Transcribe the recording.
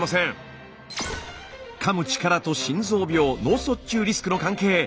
かむ力と心臓病・脳卒中リスクの関係。